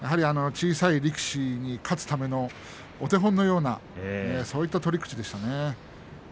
小さい力士に勝つためのお手本のような取り口でした。